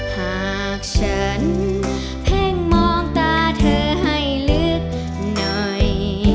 หากฉันเพ่งมองตาเธอให้ลึกหน่อย